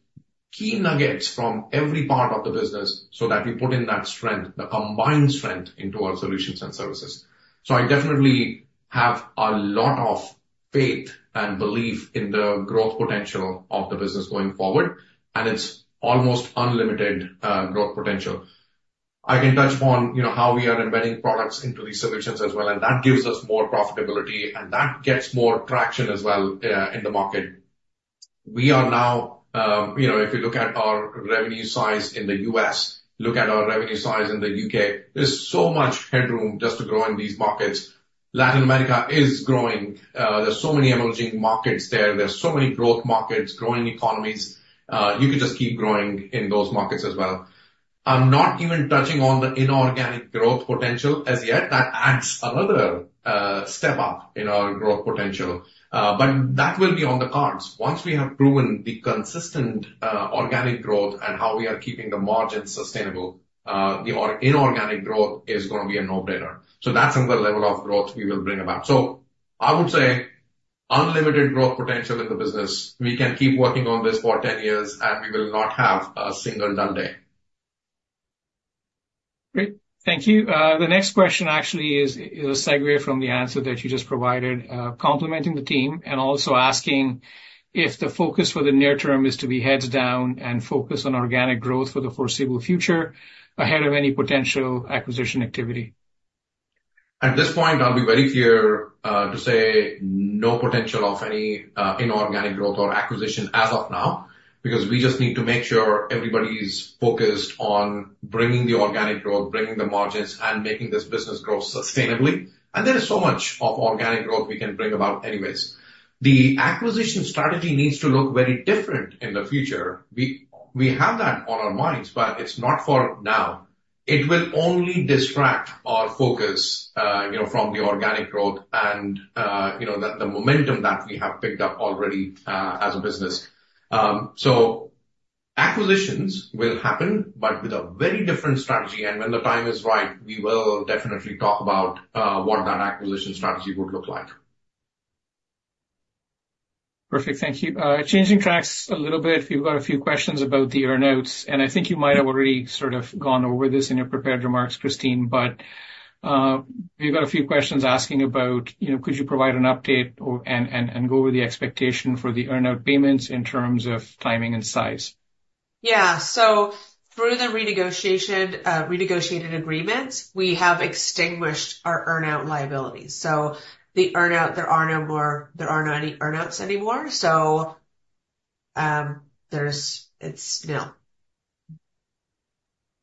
key nuggets from every part of the business so that we put in that strength, the combined strength into our solutions and services. So I definitely have a lot of faith and belief in the growth potential of the business going forward. And it's almost unlimited growth potential. I can touch upon how we are embedding products into these solutions as well. And that gives us more profitability. And that gets more traction as well in the market. We are now, if you look at our revenue size in the U.S., look at our revenue size in the U.K., there's so much headroom just to grow in these markets. Latin America is growing. There's so many emerging markets there. There's so many growth markets, growing economies. You could just keep growing in those markets as well. I'm not even touching on the inorganic growth potential as yet. That adds another step up in our growth potential. But that will be on the cards. Once we have proven the consistent organic growth and how we are keeping the margins sustainable, the inorganic growth is going to be a no-brainer. So that's another level of growth we will bring about. So I would say unlimited growth potential in the business. We can keep working on this for 10 years, and we will not have a single dull day. Great. Thank you. The next question actually is a segue from the answer that you just provided, complementing the team and also asking if the focus for the near term is to be heads down and focus on organic growth for the foreseeable future ahead of any potential acquisition activity. At this point, I'll be very clear to say no potential of any inorganic growth or acquisition as of now because we just need to make sure everybody's focused on bringing the organic growth, bringing the margins, and making this business grow sustainably, and there is so much of organic growth we can bring about anyways. The acquisition strategy needs to look very different in the future. We have that on our minds, but it's not for now. It will only distract our focus from the organic growth and the momentum that we have picked up already as a business, so acquisitions will happen, but with a very different strategy, and when the time is right, we will definitely talk about what that acquisition strategy would look like. Perfect. Thank you. Changing tracks a little bit. We've got a few questions about the earnouts. I think you might have already sort of gone over this in your prepared remarks, Christine, but we've got a few questions asking about, could you provide an update and go over the expectation for the earnout payments in terms of timing and size? Yeah. Through the renegotiated agreements, we have extinguished our earnout liabilities. The earnout, there are no more. There are no any earnouts anymore. It's nil.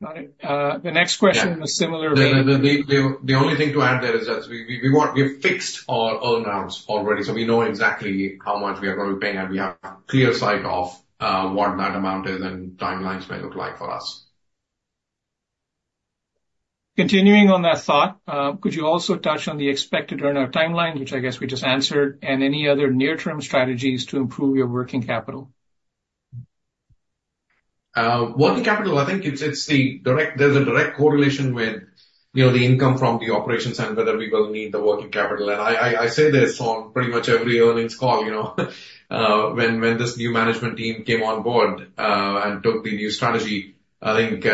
Got it. The next question was similar to that. The only thing to add there is that we have fixed our earnouts already. We know exactly how much we are going to be paying, and we have a clear sight of what that amount is and timelines may look like for us. Continuing on that thought, could you also touch on the expected earnout timeline, which I guess we just answered, and any other near-term strategies to improve your working capital? Working capital, I think it's the direct correlation with the income from the operations and whether we will need the working capital, and I say this on pretty much every earnings call. When this new management team came on board and took the new strategy, I think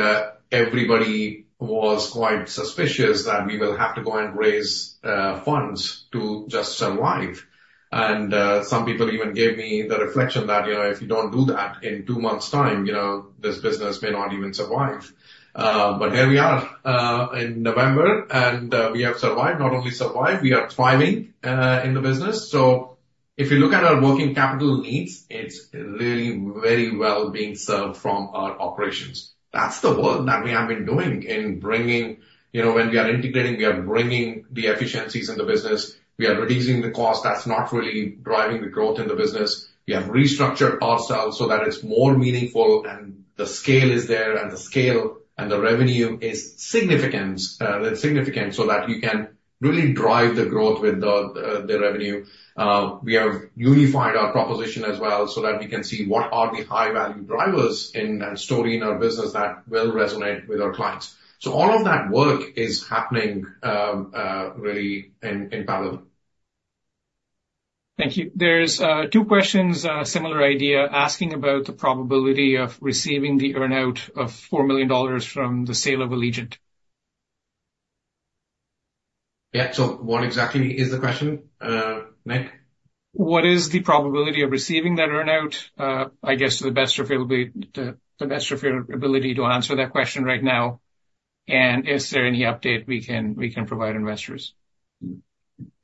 everybody was quite suspicious that we will have to go and raise funds to just survive, and some people even gave me the reflection that if you don't do that in two months' time, this business may not even survive, but here we are in November, and we have survived. Not only survived, we are thriving in the business. So if you look at our working capital needs, it's really very well being served from our operations. That's the work that we have been doing in bringing when we are integrating, we are bringing the efficiencies in the business. We are reducing the cost. That's not really driving the growth in the business. We have restructured ourselves so that it's more meaningful, and the scale is there, and the scale and the revenue is significant so that you can really drive the growth with the revenue. We have unified our proposition as well so that we can see what are the high-value drivers in that story in our business that will resonate with our clients. So all of that work is happening really in parallel. Thank you. There's two questions, similar idea, asking about the probability of receiving the earnout of $4 million from the sale of Allegient. Yeah. So what exactly is the question, Nick? What is the probability of receiving that earnout? I guess to the best of the best of your ability to answer that question right now. And if there's any update, we can provide investors.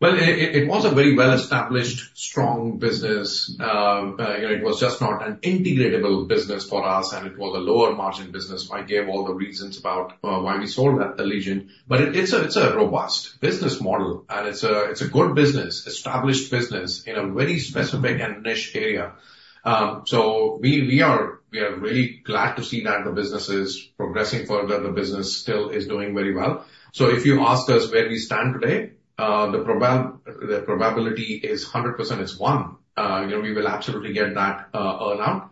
It was a very well-established, strong business. It was just not an integratable business for us, and it was a lower-margin business. I gave all the reasons about why we sold that Allegient. It's a robust business model, and it's a good business, established business in a very specific and niche area. We are really glad to see that the business is progressing further. The business still is doing very well. If you ask us where we stand today, the probability is 100%; it's one. We will absolutely get that earnout.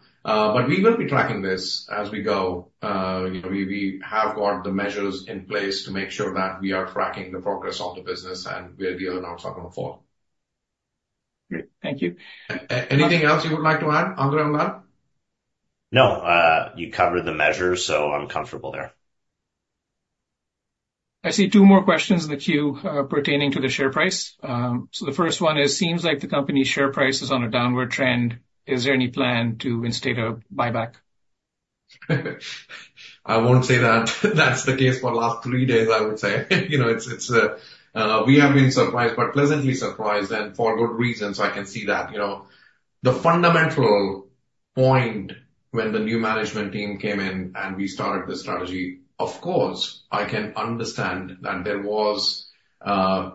We will be tracking this as we go. We have got the measures in place to make sure that we are tracking the progress of the business and where the earnouts are going to fall. Great. Thank you. Anything else you would like to add, Andre on that? No. You covered the measures, so I'm comfortable there. I see two more questions in the queue pertaining to the share price. So the first one is, seems like the company's share price is on a downward trend. Is there any plan to instate a buyback? I won't say that that's the case for the last three days, I would say. We have been surprised, but pleasantly surprised, and for good reasons. I can see that. The fundamental point when the new management team came in and we started the strategy, of course, I can understand that there was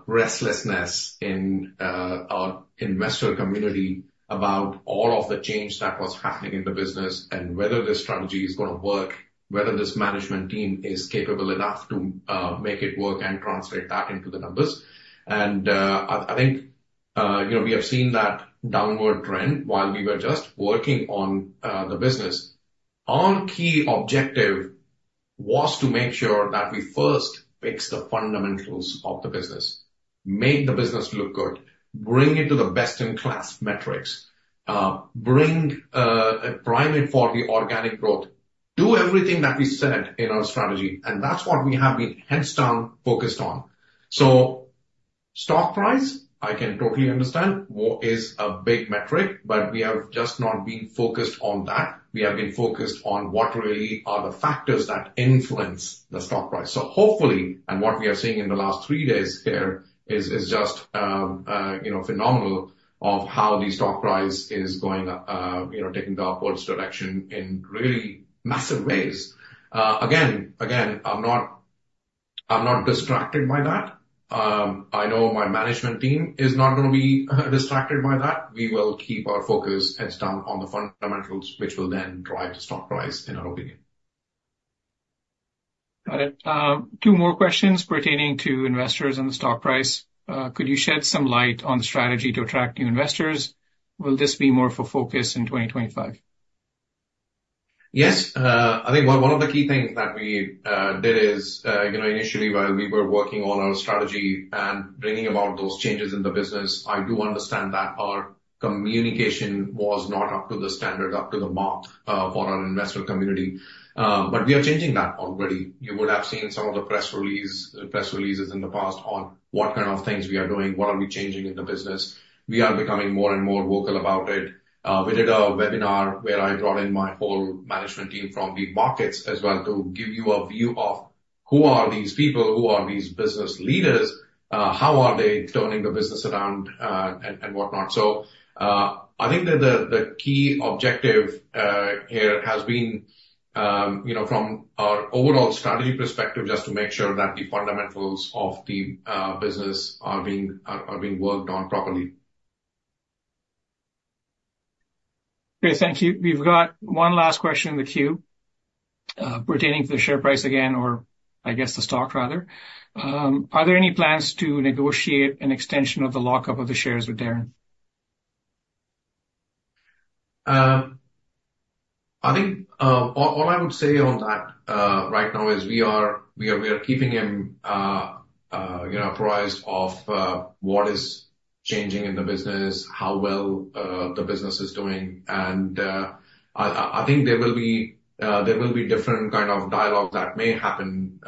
restlessness in our investor community about all of the change that was happening in the business and whether this strategy is going to work, whether this management team is capable enough to make it work and translate that into the numbers, and I think we have seen that downward trend while we were just working on the business. Our key objective was to make sure that we first fix the fundamentals of the business, make the business look good, bring it to the best-in-class metrics, bring a priority for the organic growth, do everything that we said in our strategy, and that's what we have been heads down focused on. So stock price, I can totally understand what is a big metric, but we have just not been focused on that. We have been focused on what really are the factors that influence the stock price. So hopefully, and what we are seeing in the last three days here is just phenomenal of how the stock price is going, taking the upwards direction in really massive ways. Again, I'm not distracted by that. I know my management team is not going to be distracted by that. We will keep our focus heads down on the fundamentals, which will then drive the stock price in our opinion. Got it. Two more questions pertaining to investors and the stock price. Could you shed some light on the strategy to attract new investors? Will this be more of a focus in 2025? Yes. I think one of the key things that we did is initially, while we were working on our strategy and bringing about those changes in the business, I do understand that our communication was not up to the standard, up to the mark for our investor community, but we are changing that already. You would have seen some of the press releases in the past on what kind of things we are doing, what are we changing in the business. We are becoming more and more vocal about it. We did a webinar where I brought in my whole management team from the markets as well to give you a view of who are these people, who are these business leaders, how are they turning the business around, and whatnot. I think that the key objective here has been from our overall strategy perspective just to make sure that the fundamentals of the business are being worked on properly. Great. Thank you. We've got one last question in the queue pertaining to the share price again, or I guess the stock, rather. Are there any plans to negotiate an extension of the lockup of the shares with Daren? I think all I would say on that right now is we are keeping him apprised of what is changing in the business, how well the business is doing. And I think there will be different kind of dialogue that may happen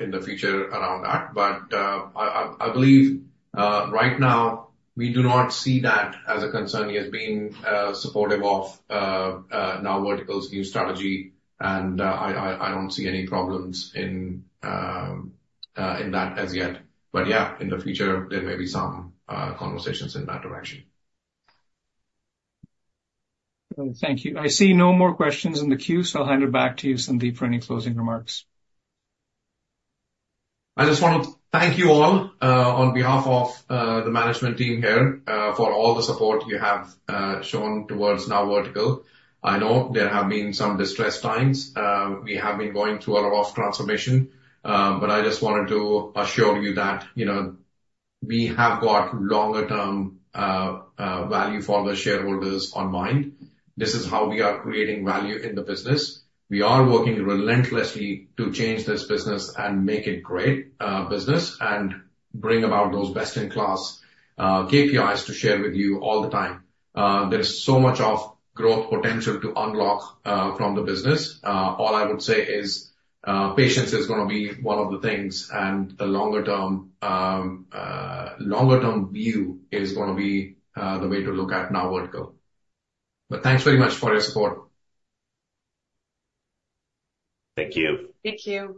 in the future around that. But I believe right now, we do not see that as a concern. He has been supportive of NowVertical's new strategy, and I don't see any problems in that as yet. But yeah, in the future, there may be some conversations in that direction. Thank you. I see no more questions in the queue, so I'll hand it back to you, Sandeep, for any closing remarks. I just want to thank you all on behalf of the management team here for all the support you have shown towards NowVertical. I know there have been some distressed times. We have been going through a lot of transformation, but I just wanted to assure you that we have got longer-term value for the shareholders on mind. This is how we are creating value in the business. We are working relentlessly to change this business and make it great business and bring about those best-in-class KPIs to share with you all the time. There's so much of growth potential to unlock from the business. All I would say is patience is going to be one of the things, and the longer-term view is going to be the way to look at NowVertical, but thanks very much for your support. Thank you. Thank you.